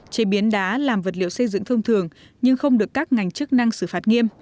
chế biến đá làm vật liệu xây dựng thông thường nhưng không được các ngành chức năng xử phạt nghiêm